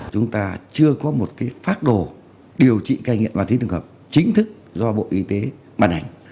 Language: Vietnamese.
chúng ta chưa có một phác đồ điều trị cai nghiện ma túy tổng hợp chính thức do bộ y tế ban hành